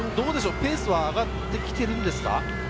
ペースが上がってきてるんですか？